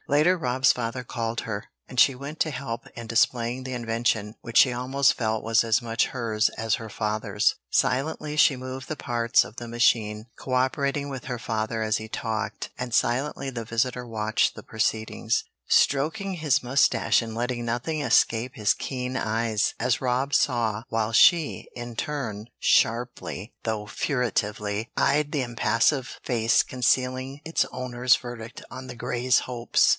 Later Rob's father called her, and she went to help in displaying the invention which she almost felt was as much hers as her father's. Silently she moved the parts of the machine, co operating with her father as he talked, and silently the visitor watched the proceedings, stroking his mustache and letting nothing escape his keen eyes, as Rob saw, while she, in her turn, sharply, though furtively, eyed the impassive face concealing its owner's verdict on the Greys' hopes.